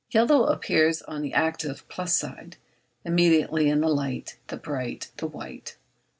Yellow appears on the active (plus) side, immediately in the light, the bright, the white.